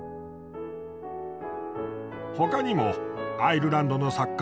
他にもアイルランドの作家